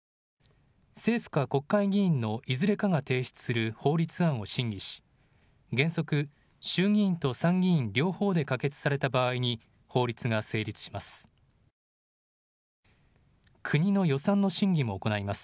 政府か国会議員のいずれかが提出する法律案を審議し、原則、衆議院と参議院両方で可決された場合に法律が成立します。